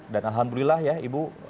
dan alhamdulillah ya ibu